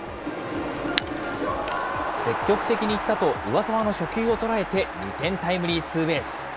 積極的にいったと、上沢の初球を捉えて、２点タイムリーツーベース。